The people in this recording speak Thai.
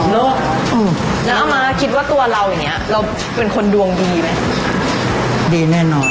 ลูกน้องมาคิดว่าตัวเราอย่างนี้เราเป็นคนดวงดีไหม